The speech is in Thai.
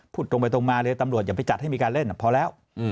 ตรงไปตรงมาเลยตำรวจอย่าไปจัดให้มีการเล่นพอแล้ว